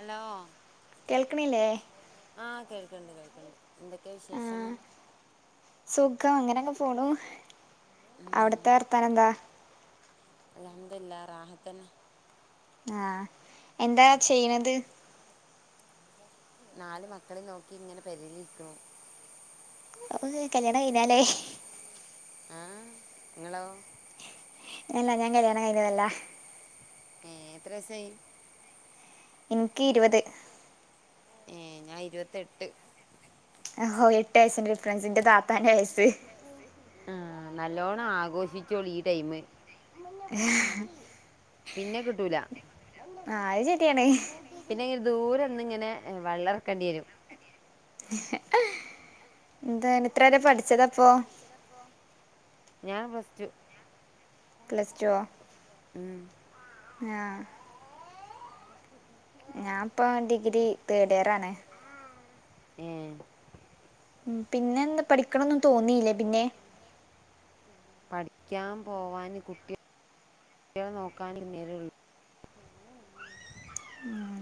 Hello. കേൾക്ക്ണില്ലേ. ആഹ് കേൾക്ക്ണ്ട് കേൾക്ക്ണ്ട് എന്തൊക്കെ ആ വിശേഷം. സുഖം അങ്ങനെങ്ങ് പോണു അവിടത്തെ വർത്താനെന്താ. അൽഹംദുലില്ലാഹ് റാഹത്തന്നെ. ആഹ് എന്താ ചെയ്ണത്. നാല് മക്കളിം നോക്കിങ്ങനെ പെരീലിര്ക്കുണു. അപ്പൊങ്ങള് കല്ല്യാണം കയിഞ്ഞാലേ. ആഹ് ങ്ങളോ. എല്ലാ ഞാ കല്ല്യാണം കൈഞ്ഞതല്ല. ഏഹ് എത്ര വയ്സായി. ഇൻക്ക് ഇരുവത്. ഏഹ് ഞാ ഇരുവത്തെട്ട്. ഒഹോ എട്ട് വയസ്സിന്റെ ഡിഫറൻസ് ന്റെ താത്താന്റെ വയസ്സ്. ആഹ് നല്ലോണം ആഘോഷിച്ചോളീ ഈ ടൈമ്. എഹ്. പിന്നെ കിട്ടൂല. ആഹ് അഹ് ശെര്യാണ്. പിന്നെങ്ങനെ ദൂരന്ന്ങ്ങനെ വള്ളർക്കണ്ട്യരും. ഹ് എന്താണ് ഇത്ര വരെ പഠ്ച്ചതപ്പോ. ഞാ പ്ലസ് ടു. പ്ലസ് ടുവോ. ഉം. ആഹ്. ഞാപ്പ ഡിഗ്രി തേഡിയറാണ്. ഏഹ്. ഉം പിന്നെ എന്താ പഠിക്കണന്നും തോന്നീലെ പിന്നെ. പഠിക്കൻ പോവാന് കുട്ടി. ട്ട്യാളെ നോക്കാനെ നേരൊള്ളു. ഉം,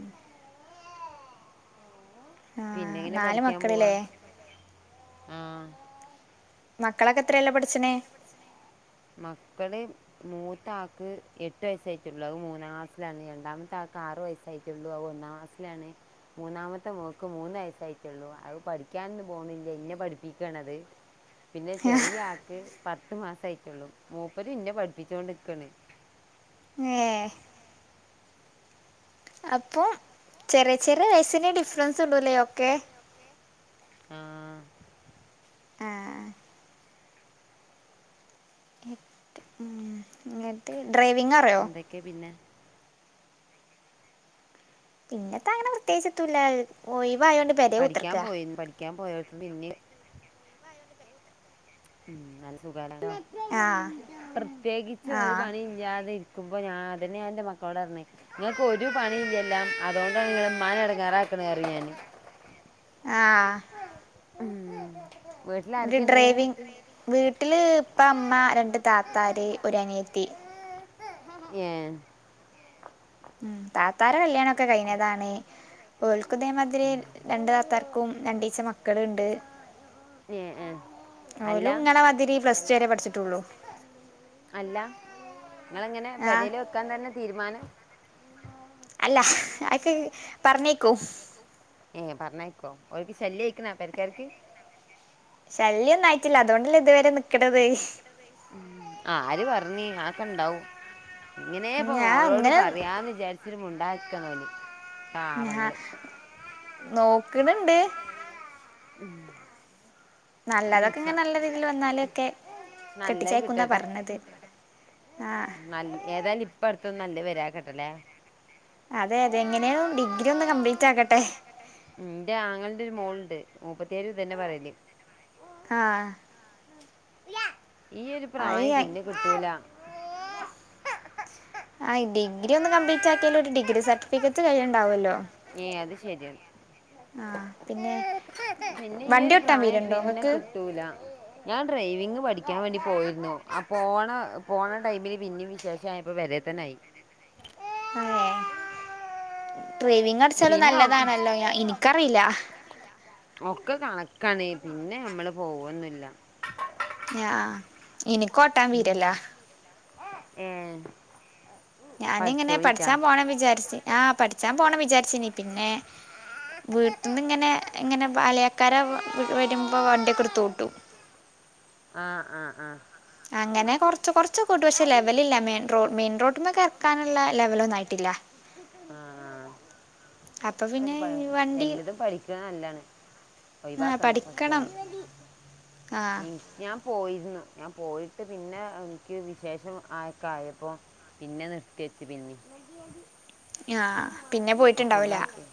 ആഹ്. പിന്നെങ്ങനെ നാല് പഠിക്കാൻ പോവാ മക്കളില്ലേ ആഹ്. മക്കളൊക്കെ എത്രേലാ പഠിച്ച്ണേ? മക്കള്. മൂത്താക്ക് എട്ട് വയസ്സായിട്ടേ ഉള്ളൂ. അത് മൂന്നാം ക്ലാസിലാണ്. രണ്ടാമത്തെ ആക്ക് ആറ് വയസ്സായി. ട്ടുള്ളൂ. അത് ഒന്നാം ക്ലാസിലാണ് മൂന്നാമത്തെ മോക്ക് മൂന്ന് വയസ്സായിട്ടേ ഉള്ളൂ. അത് പഠിക്കാനൊന്നും പോണില്ല. എന്നെ പഠിപ്പിക്കണത് ഉ പിന്നെ ചെറിയ ആൾക്ക് പത്ത് മാസം ആയിട്ടുള്ളൂ. മൂപ്പര് എന്നെ പഠിപ്പിച്ചുകൊണ്ടിരിക്കാണ്. മം അപ്പൊ ചെറിയ ചെറിയ വയസിന് ഡിഫറൻസ് ഉള്ളൂ അല്ലേ ഒക്കെ. ആഹ ആഹ് ഇങ്ങക്ക് ഡ്രൈവിംഗ് അറിയുമോ. ഓക്കെ പിന്നെ പിന്നന്താ അങ്ങനെ പ്രത്യേകിച്ചൊന്നുല്ല. ഒഴിവായോണ്ട് പുരയിൽ കുത്തിരിക്കുക. കുളിക്കാൻ പോയടത്തൂന്ന് പിന്നെയും ഉം നല്ല സുഖം. ആഹ് പ്രത്യേകിച്ച് ഒരു ആഹ് പണി ഇല്ലാതിരിക്കുക ക്കുമ്പോ ഞാൻ അതന്നെയാ എന്റെ മക്കളോട് പറഞ്ഞ നിങ്ങക്ക് ഒരു പണി ഇല്ലെല്ലോ. അതുകൊണ്ടാണ് നിങ്ങള് ഉമ്മാന എടങ്ങാറാക്കണെന്ന് പറയും ഞാൻ. ആഹ ഉം ഡ്രൈവിങ്.. വീട്ടില് ഇപ്പം അമ്മ രണ്ട് താത്തമാര്, ഒര് അനിയത്തി. ഏ ഉം താത്തമാരെ കല്യാണം കഴിഞ്ഞതാണ്. ഓൽക്കു ഇതേമാതിരി രണ്ട് താത്താർക്കും രണ്ടീസം കൊ മക്കളുണ്ട്. ഏ ഏ. അല്ല ഓലും ഇങ്ങളെ മാതിരി പ്ലസ് ടു വരെ പഠിച്ചിട്ടുള്ളു. അല്ല. നിങ്ങളങ്ങനെ ആഹ് പൊരയിൽ വെക്കാൻ തന്നെ തീരുമാനം. അല്ല. ഹ്ഹി.. അതൊക്കെ പറഞ്ഞേക്കും. ഏ പറഞ്ഞേക്കോ, അവർക്ക് ശല്യം ആയിരിക്കണാ പൊരക്കാർക്ക്. ശല്യൊന്നും ആയിട്ടില്ല. അതുകൊണ്ടല്ല ഇതുവരെ നിക്കണത് ഉം. ആര് പറഞ്ഞ് അതൊക്കെ ഇണ്ടാവും എങ്ങനെയാ ഇപ്പ ഞാൻ മോളോട് അങ്ങനെ പറയാന്ന് വിചാരിച്ചിട്ട് മിണ്ടാണ്ടിരിക്കാണ് ഓല്. ഉണ്ടാക്കാക്കന്നലി ഹാ.. നോക്കണണ്ട്. ഉം നല്ലതൊക്കെ ഇൻഷാ ഇങ്ങനെ നല്ല രീതിൽ വന്നാലൊക്കെ, നല്ലത് കെട്ടിച്ചയക്കുന്നാ കിട്ടട്ടെ പറഞ്ഞത്. ആ നല്ല ഏതായാലും, ഇപ്പ അടുത്തൊന്നും നല്ല വരാണ്ട് നിൽക്കട്ടല്ലേ. അതെ അതെ എങ്ങനെയും ഡിഗ്രി ഒന്ന് കംപ്ലീറ്റ് ആക്കട്ടെ. എന്റെ ആങ്ങളന്റെ ഒരു മോളുണ്ട്. മുപ്പത്തിയേരും ഇതു തന്നെ പറയല്. ആഹ ഈ ഒരു പ്രായം അത് പിന്നെ കിട്ടില്ല. ആ് ഡിഗ്രി ഒന്ന് കംപ്ലീറ്റ് ആക്കിയാല്, ഒരു ഡിഗ്രി സർട്ടിഫിക്കറ്റ് കയ്യിലുണ്ടാവല്ലോ. ഏയ് അത് ശരിയാത്. പിന്നെ പിന്നെ ഈ വണ്ടി ഒരു ഓട്ടാൻ പ്രായം വീടുണ്ടോ പിന്നെ ഇങ്ങക്ക് കിട്ടൂല. ഞാൻ ഡ്രൈവിങ് പഠിക്കാൻ വേണ്ടി പോയിരുന്നു. ആ പോണ, പോണ ടൈമില് പിന്നയും വിശേഷമായി. ഇപ്പൊ പൊരയിൽ തന്നെ ആയി. അയേ ഡ്രൈവിങ്ങ് പഠിച്ചാലും പിന്നെ ഓക്കെ നല്ലതാണല്ലോ എനിക്കറിയില്ല ഒക്കെ കണക്കാണ് പിന്നെ നമ്മള് പോവുകൊന്നുല്ല ആ ഉം ഞാനിങ്ങനെ പഠിച്ചാൻ പോണംന്ന് വിചാരിച്ച്, ആ പഠിച്ചാൻ പോണംന്ന് വിചാരിച്ചിന് പിന്നെ വീട്ടന്ന് ഇങ്ങനെ ഇങ്ങനെ വാല്യേക്കാര് വരുമ്പോ വണ്ടിയൊക്കെ എടുത്തോട്ടും ആഹ ആഹ് ആഹ അങ്ങനെ കുറച്ച് കുറച്ച് ഓട്ടും പക്ഷെ ലെവലില്ല മെയിൽ റോഡ് മെയിൻ റോഡിലേക്കൊന്നും ഇറക്കാനുള്ള എല്ലവലം ആയിട്ടില്ല ആഹ് അപ്പൊ പിന്നെ ഈ വണ്ടി എല്ലതും പഠിക്കണ നല്ലാണ് ഒഴിവാക്കണ്ടലോ ആഹ് ഞാൻ പോയിരുന്നു ഞാൻ പോയിട്ട് പിന്നെ എനിക്ക് വിശേഷം ആയക്ക ആയപ്പോ പിന്നെ നിർത്തി വച്ചു പിന്നെ ആ പിന്നെ പോയിട്ടുണ്ടാവൂല ഫുള്ളാകെ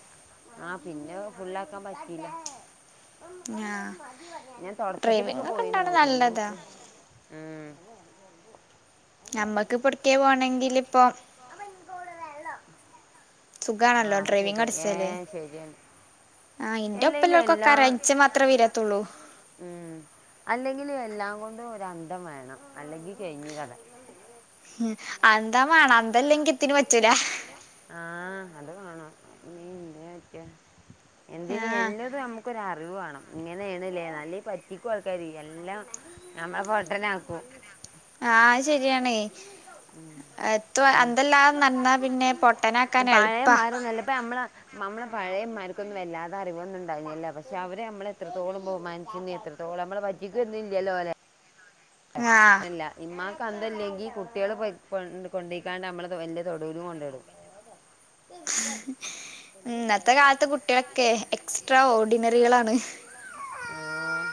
ആഹ പിന്നെ ഫുള്ളാക്കാൻ പറ്റില്ല ആ ഞാൻ തുടക്കത്തിലൊക്കെ ഡ്രൈവിംഗ് ഒക്കെ പോയിരുന്നു ഉണ്ടാവണ പിന്നെ നല്ലതാ എനിക്ക് ഉ നമ്മുക്ക്ഇപ്പൊഎവിടെ പോകണങ്കിൽ ഇപ്പോ [inaudible] ആഹ് സുഖാണല്ലോ അത് ഡ്രൈവിങ് ശരിയാ അടിച്ചലെ ഏഹ് ശരിയാണ് ആഹാ ഇന്റെ ഒപ്പള്ള എല്ലേലും ആൾക്കൊക്കെരഞ്ച്ച മാത്രേ വരാത്തുള്ളൂ ഉ അല്ലെങ്കിൽ എല്ലാം കൊണ്ടും ഒരന്തം വേണം അല്ലെങ്കിൽ കഴിഞ്ഞു കഥ ഉ അന്തം വേണം അന്തല്ലെക്കിൽ എത്തിന് പറ്റൂല ആഹ അത് വേണം എന്തിന് ആഹ് എല്ലത് നമുക്കൊരു അറിവ് വേണം ഇങ്ങനെയണല്ലേ നല്ലെ പറ്റിക്കും ആൾക്കാര് എല്ലാം നമ്മളെ പൊട്ടനാക്കും ആഹ ശെരിയാണേ നടന്നാ പിന്നെ പൊട്ടനാക്കാൻ എളുപ്പാ പയേമാരില്ലാപ്പോ ഇപ്പോമ്മളെ മ്മള പഴയന്മാർക്കൊന്നും വല്ലാതെ അറിവൊന്നുംണ്ടായിരൂന്നില്ല പക്ഷെ അവരെ നമ്മള എത്രത്തോളം ബഹുമാനിച്ച എത്ര ന്തോളം നമ്മള് പറ്റിക്കന്നുംല്ലല്ലോ ആഹ് അല്ലെല്ല ഇമ്മാക്ക് അന്തല്ലെങ്കിൽ കുട്ടികള് കൊ കൊണ്ടിക്കാണ്ട് നമ്മള് വല്യ തൊടുവിലും കൊണ്ടിടും ഇന്നത്തെ കാലത്തെ കുട്ടികളൊക്കെ എക്സ്ട്രാ ഓർഡിനറികളാണ് ആഹ്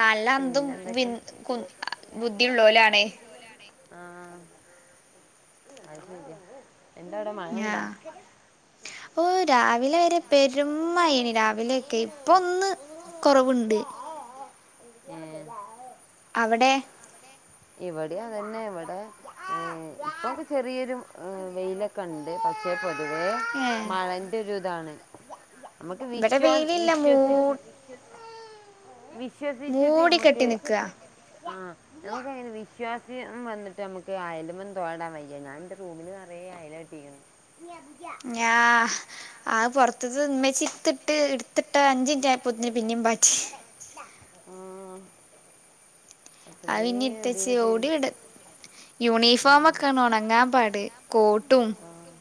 നല്ല അന്തും വിൻ കു ബുദ്ധിയുള്ളോലാണ് ബുദ്ധിഉളോല് ആണ് ആഹ എന്താ അവിടെ മഴണ്ടാ ആഹ് ഓഹ് രാവിലെ വരെ പെരുമയെനി രാവിലെയ ഒക്കെ ഇപ്പ ഒന്ന് കുറവുണ്ട് ഏഹ്മ് അവിടെ ഇവിടെ അതന്നെ ഇവിടെ ഇപ്പോ ചെറിയൊരു വെയിലൊക്കെ ണ്ട് പക്ഷെ പൊതുവെ ഏഹ് മഴന്റെ ഒരു ഇതാണ് നമ്മുക്ക് ഇവിടെ വിശ്വാ വെയിലില്ല മൂ വിശ്വസിച്ച് മൂടി വിശ്വസിച്ചിട്ട്മ്മക്ക് കെട്ടി നിക്ക ആഹ നമ്മക്ക് വിശ്വാസ്യം വന്നിട്ട് നമുക്ക് അയാലുമൽ തോരാടാൻ വയ്യ ഞാൻ റൂമിൽ നിറയ ആയാലെട്ടിക്ക്ണ് ഞ ആ പുറത്തത് ഉമ്മ ചിത്തിട്ട് ഇടുത്തിട്ടാ ഏഹ്മ് ആയ് പിന്ന ഇട്ത്വെച്ച് ഓടി ഇട യൂണിഫോമ ഒക്കെയ ഉണങ്ങാൻ പാട കോട്ടും കോട്ടും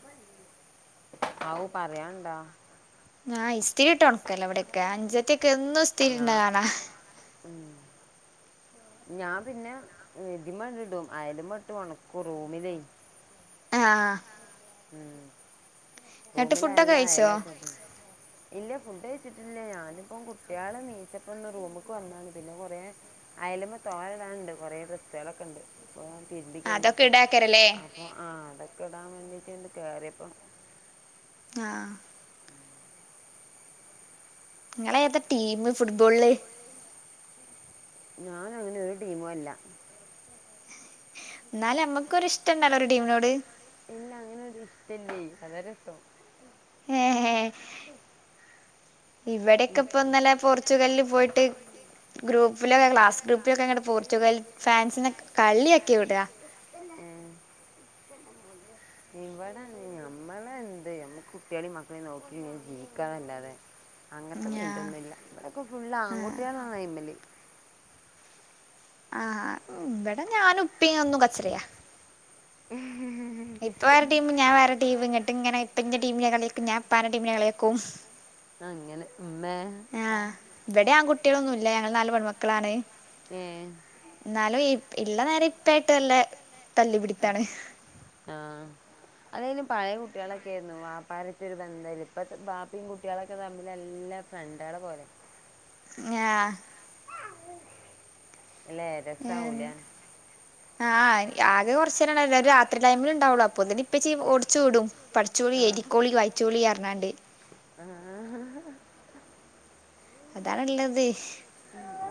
ഔ പറയാണ്ടാ ആഹ് ഇസ്തിരിട്ട് ഉണക്കല്ലോ എവിടെയക്ക അഞ്ചത്തി ഒക്കെ എന്നും ഇസ്തിരിട്ണെകാണാ ഉം ഞാൻ പിന്നെ എതി മ ഇടും അയല്മേട്ട് ഉണക്കൂ റൂമിലേ ആഹ് ഉം എന്നിട്ട് റൂമില് ഫുഡൊക്കെ നല്ല കഴിച്ചോ അയലക്ക ഇല്ല ഫുഡ് കഴിച്ചിട്ടില്ലേ ഞാനിപ്പ കുട്ടികളെ നീച്ചപ്പ ഒന്ന് റൂമിക്ക് വന്നാണ് പിന്നെ കൊറെ അയലുമ്മ തോര ഇടാനണ്ട് കുറെേ ബസ്തുകളൊക്കെണ്ട് ഇപ്പൊ അതൊക്കെ തിരുമ്പിക്കഴിഞ്ഞപ്പോ ഇടാക്കരല്ലേ അപ്പൊ ആഹ് അടൊക്കെ ഇടാൻ വേണ്ടീട്ടൊണ്ട് കേറിയപ്പോ ആഹ് നിങ്ങള ഏത ടീം ഫുട്ബോള് ഞാനങ്ങനെ ഒരു ടീമും അല്ല എന്നാല നമ്മക്കൊരിഷ്ടണ്ടല്ലോ ഒരു ടീമിനോട് എല്ലാ അങ്ങനെരൂ ഇഷ്ടല്ലേ അത രസം ഏഹ് ഇവിടെക്കെ ഇപ്പ ഇന്നലെ പോർച്ചുഗലില് പോയിട്ട് ഗ്രൂപ്പിലൊക്കെ ക്ലാസ് ഗ്രൂപ്പിലൊക്കെ എങ്ങടെ പോർച്ചുഗൽ ഫാൻസി കള്ളിയൊക്കെ വിട ഉം [inaudible] ഇവടെ ഞമ്മളന്ത് നമ്മക്ക് കുട്ടികളെയ മക്കളെയും നോക്കി ഇങ്ങനെ ജീവിക്കാനല്ലാതെ അങ്ങനത്തെ ഞാ മീൻറ്റൊന്നുല്ല ഇവിടെയൊക്കെ ഫുള് ആ, ആൺകുട്ടയാളായ്മ്മൽ ഇവിട ഞാനുപ്പി ഒന്നും കച്ചറിയ [inaudible] ഇപ്പ വേറെടീ വേ ടീം ഇങ്ങട്ട് ഇങ്ങെ ഇപ്പ ഇ ടീമെ കളിക്കും ഞാൻപ്പാ ടീമിനെ കളിയിക്കും അങ്ങനെ ഉമ്മേ ആഹ് ഇവിടെ ആൺകട്ടികളൊന്നും ഇല്ല ഞങ്ങൾ നാല് പെൺമക്കളാണ് ഏഹ് എന്നാലും ഇള്ള നേരം ഇപ്പായിട്ട് നല്ല തല്ലിപിടിത്താണ് ആഹ് അതായാലും പഴയ കുട്ടികളൊക്കൊയിരുന്നു വ്യാപാരത്തി ഒരു ബന്ധം ഇപ്പ ബാപ്പിയും കുട്ടികളൊക്കെ തമ്മിൽ എല്ലാം ഫ്രണ്ടാൾ പോലെ ആഹ് അല്ലേ രസാവല ഞാൻ- ആഹ് ആകെ കുറച്ച നേര എല്ലും രാത്രി ടൈമിൽ ഉണ്ടാവുള്ളു അപ്പൊന്നെ ഇപ്പ ഓടുചൂടും ച്ചോളി എടരിക്കോളി വൈച്ചോളി എറണാണ്ട് [inaudible] അതാണുള്ളത്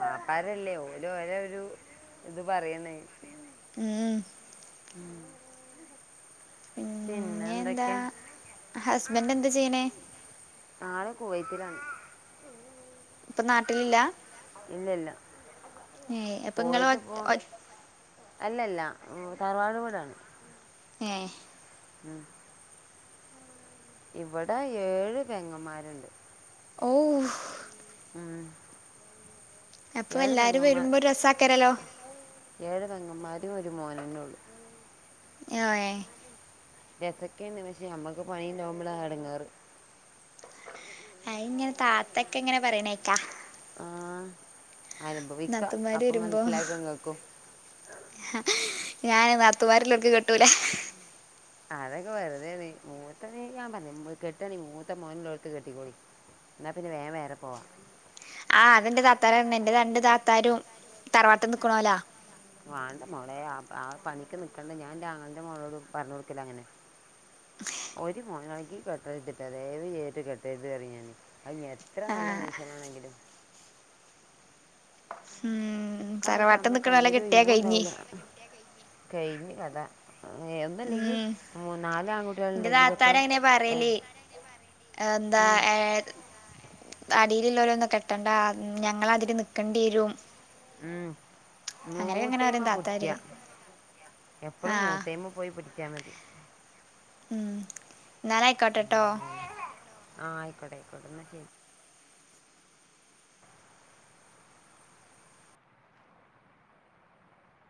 വാപ്പാരല്ലേ ഓരോ ഓര ഒരു ഇത് പറയുന്ന ഉം ഉം പിന്നെ എന്തൊക്കെ ഹസ്ബൻഡ് എന്താ ചെയ്യണേ ആള് കുവത്തിലാണ് ഇപ്പൊ നാട്ടിലില്ല ഇല്ലല്ല ഏഹ് അപ്പൊ ഇങ്ങള് ഒ പോയിട്ട് പോ ഒ അല്ലല്ല താറവാട കൂടാണ് ഏഹ് ഉം ഇവിടെ ഏഴ് വെങ്ങമാരുണ്ട് ഓഹ് ഉം അപ്പൊ ഏഴ് എല്ലാരും പെങ്ങമാർ വരുമ്പോ ഒരു രസാക്കാരല്ലോ ഏഴ് പെങ്ങന്മാരും ഒരു മോനനെ ഉള്ളൂ [unintelligible] യെ രസൊക്കെണ് പക്ഷേ ഞമ്മക്ക് പണിണ്ടാവുംമ്പളാ എടങ്ങാറ് ആയ് ഇങ്ങനെ താത്തൊക്കെ ഇങ്ങനെ പറയണേക്കാ ആഹ് അനുഭവിക്ക നാത്തൂന്മാര് അപ്പം മനസ്സിലാക്ക ങ്ങക്കും ഞാന് നാത്തുമാര്ല്ലോക്ക് കെട്ടൂല അതൊക്കെ വെറുതെണ് മൂത്ത മേ ക്കെയാവുമ്പേ കെട്ട്ആണെ മൂത്ത മോൻ ല്ലോട്ത്ത് കെട്ടിക്കൊളി എന്നാ പിന്നെ വേം വേറെ പോവാ ആഹ് അതെന്റെ താത്താരറഞ്ഞ് ന്റെ രണ്ട് താത്താരും തറവാട്ട് നിക്കണോല വാണ്ട മോളെ ആ പണിക്ക് നിക്കണ്ട ഞാൻറ്റെ ആങ്ങന്റെ മോളോട് പറഞ്ഞു കൊടുക്കല അങ്ങനെ ഒരു മോനാണെങ്കി കെട്ടര്തിട്ടാ ദയവ് ചെയ്ത് കെട്ടര്ത്റിം ഞാന് അഹ് ഇഞ് എത്ര നല്ല ആഹ് മൻസനാണെങ്കിലും ഉം അയ്ആണ്ച്ച തറവാട്ട് അമ്മളെ കൈയ് നിക്കണോലെ ഒരു കിട്ടിയാ ഒഴിവും കഴിഞ്ഞ് ണ്ടാവുല കെഴിഞ്ഞ് കഥ ഏഹ് ഒന്ന്ല്ലെങ്കി മൂന്ന നാലാ ങ്കുട്ട് ന്റെ താത്താര് അങ്ങനെ പറയല് എന്താ ആഹ് ഏഹ് അടിയിലുള്ളോരോന്നും കെട്ടണ്ട ഞങ്ങളാതിരി നിക്കേണ്ടി വരും ഉം അങ്ങനെയൊക്കെ ഇങ്ങനെ മൂത്തേയ്മ്മെ പറയും താത്താര് പുടിക്ക്യ എപ്പളും ആഹ് മൂത്തേഴ്മെ പോയി പിടിച്ചാ മതി ഉം ഉം ന്നാലെയ്ക്കോട്ടെട്ടൊ ആഹ് ആയിക്കോട്ടെ ആയിക്കോട്ടെ ന്നാ ശരി